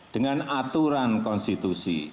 dengan aturan konstitusi